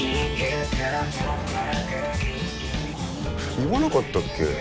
言わなかったっけ？